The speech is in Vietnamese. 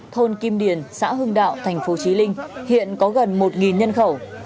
thôn kim điền xã hưng đạo thành phố trí linh hiện có gần một nhân khẩu